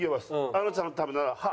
あのちゃんのためなら歯